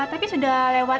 tapi sudah lewat